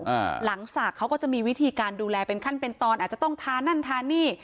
อ่าหลังศักดิ์เขาก็จะมีวิธีการดูแลเป็นขั้นเป็นตอนอาจจะต้องทานั่นทานี่